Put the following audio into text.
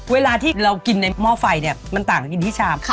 เวลาที่เรากินในหม้อไฟเนี่ยมันต่างกินที่ชาม